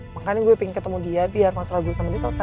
makanya gue pengen ketemu dia biar masalah gue sama dia tidak terjadi